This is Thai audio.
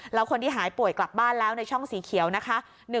แล้วคนที่หายป่วยกลับบ้านแล้วในช่องสีเขียวนะคะ